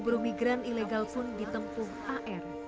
buru migran ilegal pun ditempuh ar